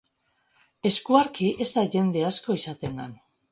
Eskuarki, ez da jende asko izaten han.